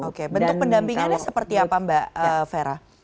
oke bentuk pendampingannya seperti apa mbak fera